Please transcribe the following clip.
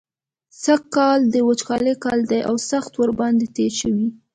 سږکال د وچکالۍ کال دی او سخت ورباندې تېر شوی.